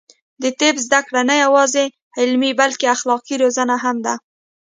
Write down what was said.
د طب زده کړه نه یوازې علمي، بلکې اخلاقي روزنه هم ده.